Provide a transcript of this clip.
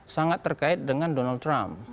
sangat terkait dengan donald trump